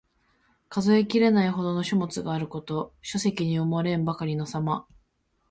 数えきれないほどの書物があること。書籍に埋もれんばかりのさま。